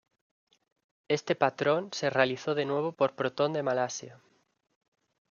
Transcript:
Este patrón se realizó de nuevo por Proton de Malasia.